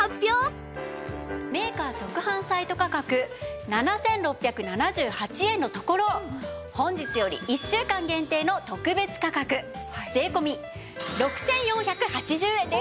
メーカー直販サイト価格７６７８円のところ本日より１週間限定の特別価格税込６４８０円です。